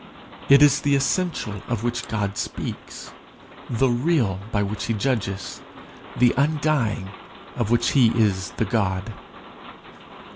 It is the essential of which God speaks, the real by which he judges, the undying of which he is the God.